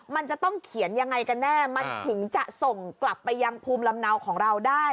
มันจะต้องเขียนยังไงกันแน่มันถึงจะส่งกลับไปยังภูมิลำเนาของเราได้